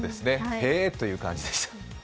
へえという感じでした。